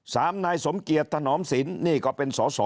สามนายสมเกียรติโถนอร์มศิลป์